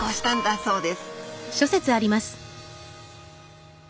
そうです。